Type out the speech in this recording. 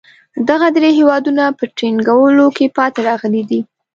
دغه درې هېوادونه په ټینګولو کې پاتې راغلي دي.